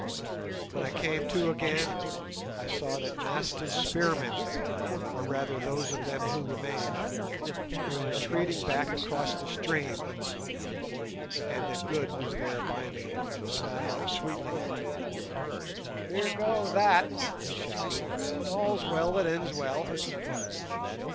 When I came to again I saw that Nasta's spearmen, or rather those of them who remained, were retreating back across the stream, and that Good was there by me smiling sweetly. "Near go that," he shouted; "but all's well that ends well."